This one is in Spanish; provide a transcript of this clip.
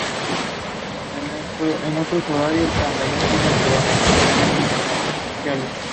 En otros horarios, cuando no tiene programación, transmite infomerciales.